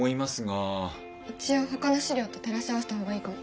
一応ほかの史料と照らし合わせた方がいいかも。